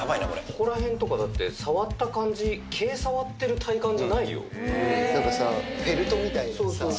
ここら辺とか触った感じ、なんかさ、フェルトみたい。